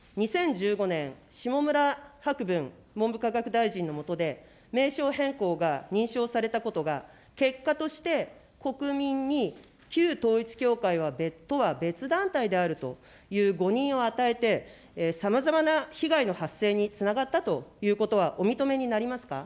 ２０１５年、下村博文文部科学大臣の下で、名称変更が認証されたことが、結果として、国民に旧統一教会とは別団体であるという誤認を与えて、さまざまな被害の発生につながったということはお認めになりますか。